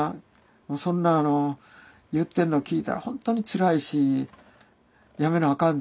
もうそんなあの言ってるの聞いたら本当につらいしやめなあかんで」